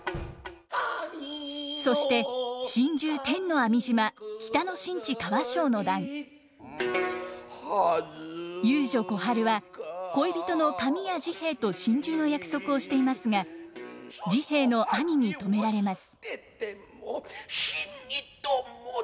そして遊女小春は恋人の紙屋治兵衛と心中の約束をしていますが治兵衛の兄に止められます。